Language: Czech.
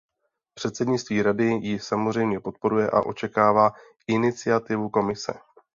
Předsednictví Rady ji samozřejmě podporuje a očekává iniciativu Komise.